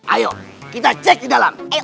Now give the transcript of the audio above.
ayo kita cek di dalam